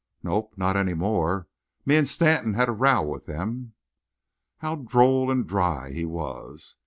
"Nope. Not any more. Me an' Stanton had a row with them." How droll and dry he was!